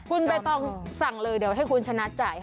คุณใบตองสั่งเลยเดี๋ยวให้คุณชนะจ่ายค่ะ